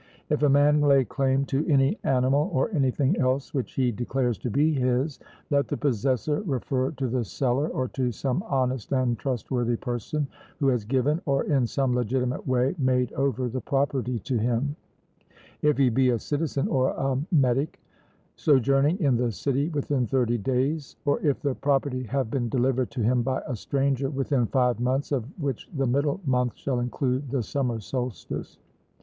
If a man lay claim to any animal or anything else which he declares to be his, let the possessor refer to the seller or to some honest and trustworthy person, who has given, or in some legitimate way made over the property to him; if he be a citizen or a metic, sojourning in the city, within thirty days, or, if the property have been delivered to him by a stranger, within five months, of which the middle month shall include the summer solstice.